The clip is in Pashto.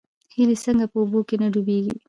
هیلۍ څنګه په اوبو کې نه ډوبیږي؟